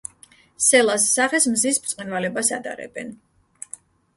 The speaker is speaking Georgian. სელას სახეს მზის ბრწყინვალებას ადარებენ.